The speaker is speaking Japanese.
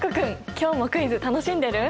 今日もクイズ楽しんでる？